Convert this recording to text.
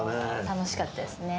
楽しかったですね。